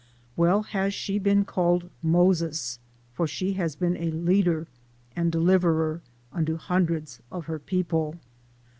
Well has she been call ed " Moses" for she has been a leader and deliverer unto hundreds of her people. 2 PREFACE.